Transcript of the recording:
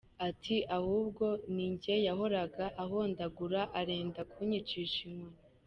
Ati “Ahubwo ni jye yahoraga ahondagura, arenda kunyicisha inkoni.